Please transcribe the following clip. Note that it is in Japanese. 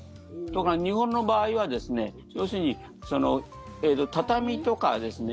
日本の場合は要するに畳とかですね